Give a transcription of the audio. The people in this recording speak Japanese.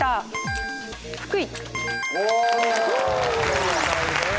正解です。